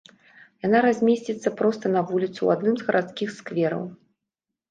Яна размесціцца проста на вуліцы, у адным з гарадскіх сквераў.